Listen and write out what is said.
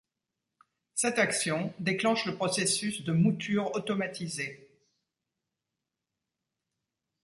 Cette action déclenche le processus de mouture automatisé.